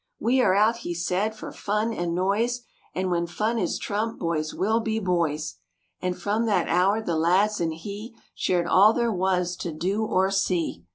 "We are out," he said, "for fun and noise And when fun is trump, boys will be boys." And from that hour the lads and he Shared all there was to do or see.